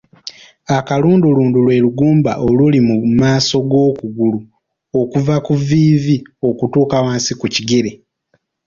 Akalundulundu lwe lugumba oluli mu maaso g’okugulu oluva ku vviivi okutuuka wansi ku kigere.